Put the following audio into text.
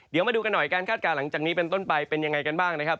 เดี๋ยวมาดูกันหน่อยการคาดการณ์หลังจากนี้เป็นต้นไปเป็นยังไงกันบ้างนะครับ